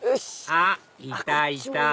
あっいたいた！